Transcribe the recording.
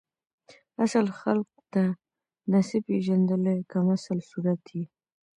اصل خلک ته نسی پیژندلی کمسل صورت یی